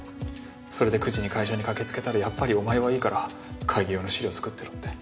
それで９時に会社に駆けつけたらやっぱりお前はいいから会議用の資料作ってろって。